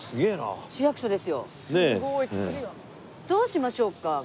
どうしましょうか？